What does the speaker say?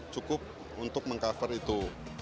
cukup untuk meng cover itu